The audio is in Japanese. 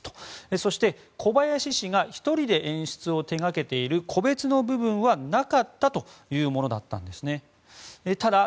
そして、小林氏が１人で演出を手がけている個別の部分はなかったというものだったんです。